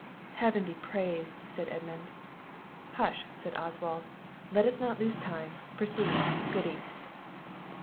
"Heaven be praised!" said Edmund. "Hush," said Oswald, "let us not lose time; proceed, Goody!"